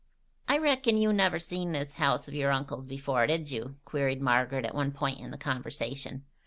"I reckon you never seen this house of your uncle's before, did you?" queried Margaret at one point in the conversation.